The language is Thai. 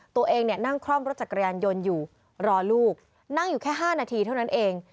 ตัวเองเนี่ยนั่งคล่อมรถจักรยานยนต์อยู่รอลูกนั่งอยู่แค่๕นาทีเท่านั้นเอง